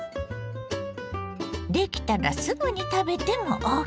出来たらすぐに食べてもＯＫ！